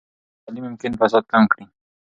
تعلیم ممکن فساد کم کړي.